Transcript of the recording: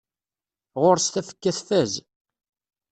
Ɣur-s tafekka tfaz.